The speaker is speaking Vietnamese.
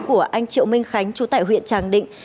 của anh triệu minh khánh chú tại huyện tràng định